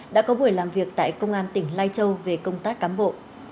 đã có buổi làm việc tại công an tỉnh lai châu về công tác cán bộ